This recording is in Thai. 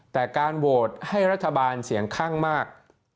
แต่การโหวตให้รัฐบาลเสียงข้างมาก